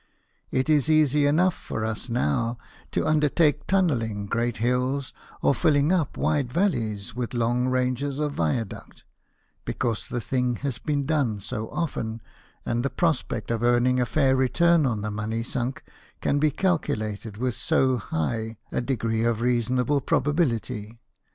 It is easy enough for us now to undertake tunnelling great hills or filling up wide valleys with long ranges of viaduct, because the thing has been done so often, and the prospect of earning a fair return on the money sunk can be calcu lated with so high a degree of reasonable probability.